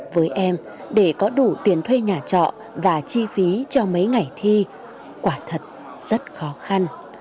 với em để có đủ tiền thuê nhà trọ và chi phí cho mấy ngày thi quả thật rất khó khăn